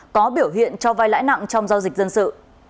có biểu hiện cho vai lãi nặng trong giao dịch dân sự